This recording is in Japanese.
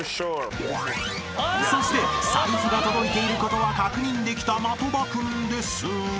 ［そして財布が届いていることは確認できた的場君ですが］